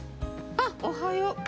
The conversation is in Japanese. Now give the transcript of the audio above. あっおはよう。